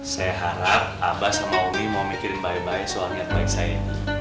saya harap abah sama umi mau mikirin baik baik soal niat baik saya